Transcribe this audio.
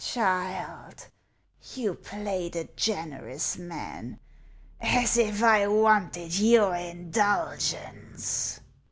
327 " Child, you play the generous mau, as if I wanted your indulgence